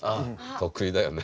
得意だよね。